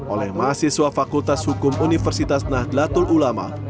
oleh mahasiswa fakultas hukum universitas nahdlatul ulama